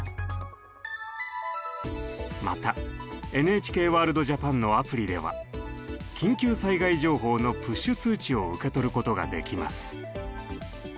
また「ＮＨＫワールドＪＡＰＡＮ」のアプリでは緊急災害情報のプッシュ通知を受け取ることができます。